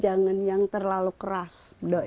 jangan yang terlalu keras